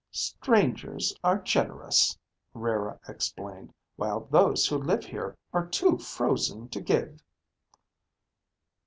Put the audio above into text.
"Strangers are generous," Rara explained, "while those who live here are too frozen to give."